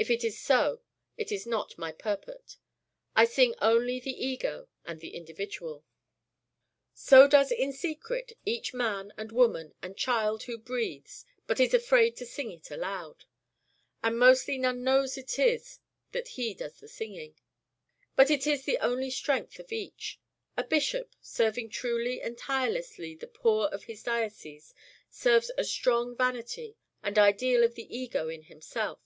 If it is so it is not my purport. I sing only the Ego and the individual. So does in secret each man and woman and child who breathes, but is afraid to sing it aloud. And mostly none knows it is that he does sing. But it is the only strength of each. A bishop serving truly and tirelessly the poor of his diocese serves a strong vanity and ideal of the Ego in himself.